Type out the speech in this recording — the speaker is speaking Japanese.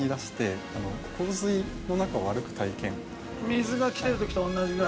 水が来てる時と同じぐらいの。